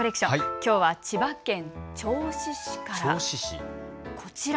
きょうは千葉県銚子市から。